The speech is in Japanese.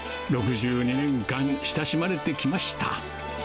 ６２年間、親しまれてきました。